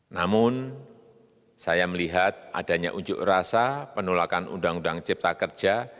namun saya melihat adanya unjuk rasa penolakan undang undang cipta kerja